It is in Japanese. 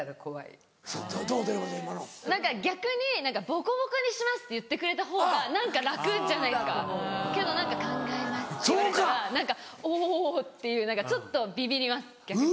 逆に「ボコボコにします」って言ってくれたほうが何か楽じゃないですかけど「考えます」って言われたら「おぉ」っていうちょっとビビります逆に。